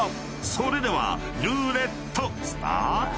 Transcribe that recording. ［それではルーレットスタート！］